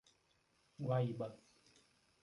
Guaíba